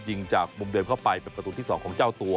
ยิงจากมุมเดิมเข้าไปเป็นประตูที่๒ของเจ้าตัว